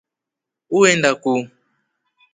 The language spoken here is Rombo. Uenda kuu?